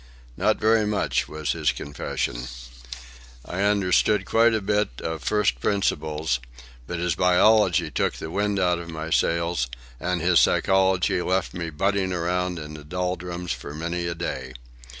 "Not very much," was his confession. "I understood quite a good deal of First Principles, but his Biology took the wind out of my sails, and his Psychology left me butting around in the doldrums for many a day.